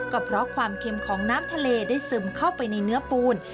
ก็เพราะความเค็มของน้ำทะเลได้ซึมเข้าไปในเนื้อปูน